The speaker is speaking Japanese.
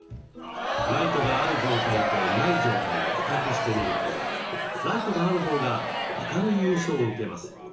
ライトがある状態とない状態を比較してみるとライトがあるほうが明るい印象を受けます。